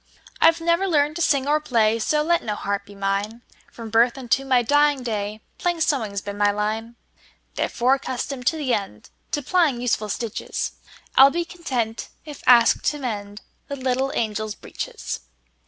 I 've never learned to sing or play, So let no harp be mine; From birth unto my dying day, Plain sewing 's been my line. Therefore, accustomed to the endTo plying useful stitches,I 'll be content if asked to mendThe little angels' breeches.